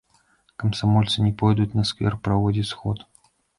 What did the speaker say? Камсамольцы не пойдуць на сквер праводзіць сход.